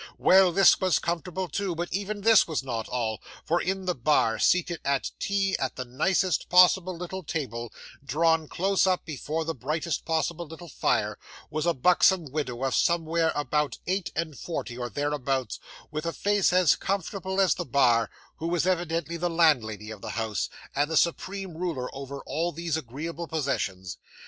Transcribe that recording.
Well, this was comfortable too; but even this was not all for in the bar, seated at tea at the nicest possible little table, drawn close up before the brightest possible little fire, was a buxom widow of somewhere about eight and forty or thereabouts, with a face as comfortable as the bar, who was evidently the landlady of the house, and the supreme ruler over all these agreeable possessions.